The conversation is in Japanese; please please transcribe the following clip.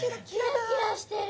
キラキラしてる！